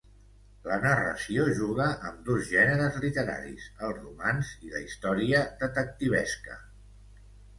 La narració juga amb dos gèneres literaris: el romanç i la història detectivesca.